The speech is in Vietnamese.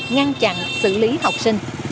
ngăn chặn xử lý học sinh